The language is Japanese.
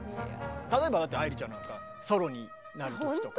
例えばだって愛理ちゃんなんかソロになる時とかさ。